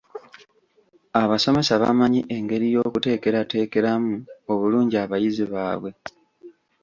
Abasomesa bamanyi engeri y'okuteekerateekeramu obulungi abayizi baabwe.